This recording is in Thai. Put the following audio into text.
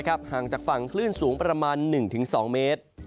ห่างจากฝั่งคลื่นสูงประมาณ๑๒เมตร